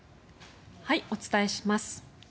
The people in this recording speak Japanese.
お伝えします。